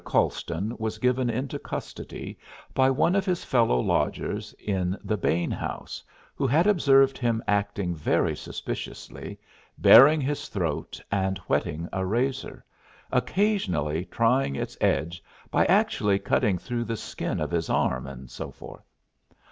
Colston was given into custody by one of his fellow lodgers in the Baine House, who had observed him acting very suspiciously, baring his throat and whetting a razor occasionally trying its edge by actually cutting through the skin of his arm, etc.